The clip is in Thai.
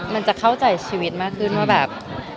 มันจะเข้าใจชีวิตมากขึ้นว่าแบบ